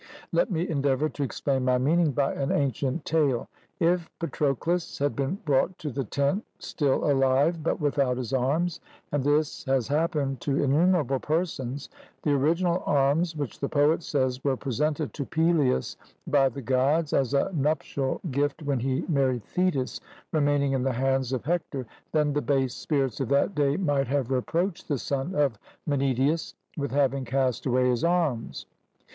Let me endeavour to explain my meaning by an ancient tale: If Patroclus had been brought to the tent still alive but without his arms (and this has happened to innumerable persons), the original arms, which the poet says were presented to Peleus by the Gods as a nuptial gift when he married Thetis, remaining in the hands of Hector, then the base spirits of that day might have reproached the son of Menoetius with having cast away his arms.